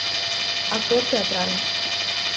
Actor teatral.